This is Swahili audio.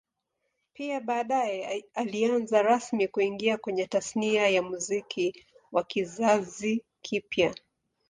Pia baadae alianza rasmi kuingia kwenye Tasnia ya Muziki wa kizazi kipya